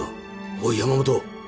おい山本